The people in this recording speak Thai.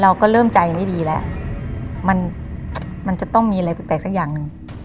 เราก็เริ่มใจไม่ดีแล้วมันมันจะต้องมีอะไรแปลกสักอย่างหนึ่ง